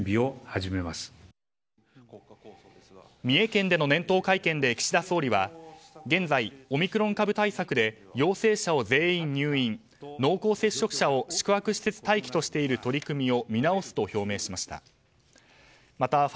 三重県での年頭会見で岸田総理は現在、オミクロン株対策で陽性者を全員入院濃厚接触者を宿泊施設待機としている取り組みを見直すと表明しました。